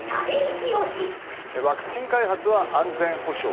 ワクチン開発は安全保障。